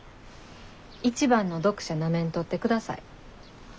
一番の読者なめんとってください。